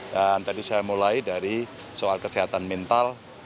dan tadi saya mulai dari soal kesehatan mental